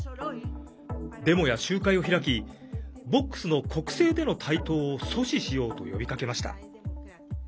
デモや集会を開きボックスの国政での台頭を阻止しようと呼びかけました。